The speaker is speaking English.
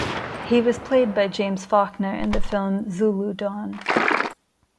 He was played by James Faulkner in the film "Zulu Dawn".